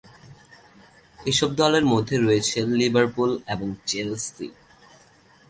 এসব দলের মধ্যে রয়েছে লিভারপুল এবং চেলসি।